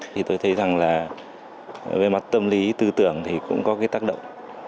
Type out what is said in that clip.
thì tôi thấy rằng là về mặt tâm lý tư tưởng thì cũng có cái tác động